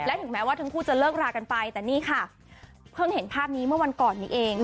ถึงแม้ว่าทั้งคู่จะเลิกรากันไปแต่นี่ค่ะเพิ่งเห็นภาพนี้เมื่อวันก่อนนี้เอง